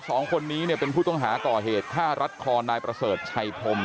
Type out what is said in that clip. สองคนนี้เนี่ยเป็นผู้ต้องหาก่อเหตุฆ่ารัดคอนายประเสริฐชัยพรม